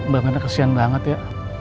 bangena kesian banget ya